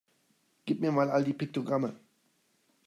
Gib mir mal all die Piktogramme!